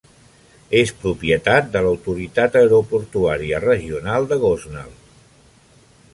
És propietat de l'Autoritat Aeroportuària Regional de Gosnell.